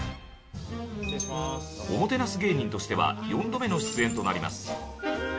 おもてなす芸人としては４度目の出演となります。